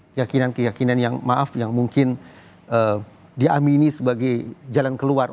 keyakinan keyakinan yang maaf yang mungkin diamini sebagai jalan keluar